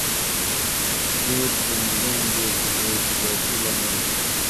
سود د نظام بېثباتي لامل دی.